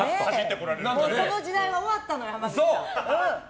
その時代は終わったのよ、濱口さん。